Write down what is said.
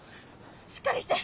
しっかりして！